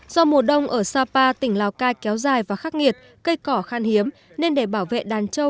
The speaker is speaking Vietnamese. do mùa đông ở sapa tỉnh lào cai kéo dài và khắc nghiệt cây cỏ khan hiếm nên để bảo vệ đàn trâu